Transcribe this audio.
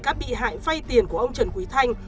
các bị hại vay tiền của ông trần quý thanh